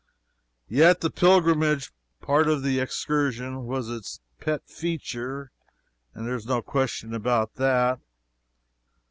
Yet, the pilgrimage part of the excursion was its pet feature there is no question about that.